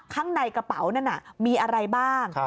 ข้างในกระเป๋านั้นมีอะไรบ้าง